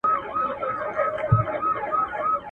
جهان به وي، قانون به وي، زړه د انسان به نه وي.